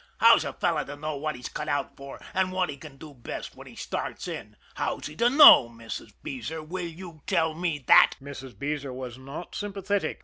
"How's a fellow to know what he's cut out for, and what he can do best, when he starts in? How's he to know, Mrs. Beezer, will you tell me that?" Mrs. Beezer was not sympathetic.